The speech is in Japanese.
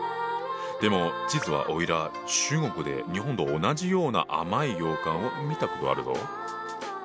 でも実はおいら中国で日本と同じような甘い羊羹を見たことあるぞ。